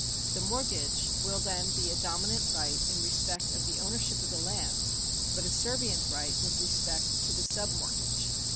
The mortgage will then be a dominant right in respect of the ownership of the land, but a servient right with respect to the sub mort gage.